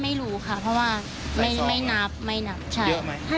ไม่รู้ค่ะเพราะว่าไม่นับไม่นับใช่